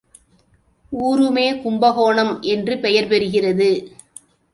ஊருமே கும்பகோணம் என்று பெயர் பெறுகிறது.